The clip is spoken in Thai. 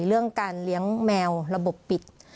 เรื่องการเลี้ยงแมวระบบปิด